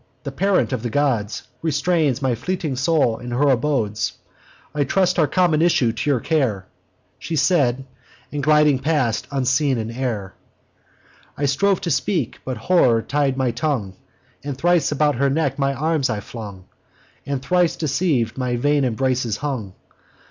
The parent of the gods Restrains my fleeting soul in her abodes: I trust our common issue to your care.' She said, and gliding pass'd unseen in air. I strove to speak: but horror tied my tongue; And thrice about her neck my arms I flung, And, thrice deceiv'd, on vain embraces hung.